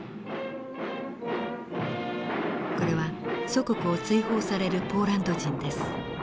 これは祖国を追放されるポーランド人です。